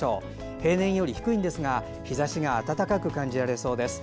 平年より低いですが日ざしが暖かく感じられそうです。